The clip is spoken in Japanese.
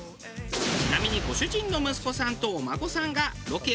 ちなみにご主人の息子さんとお孫さんがロケを見学。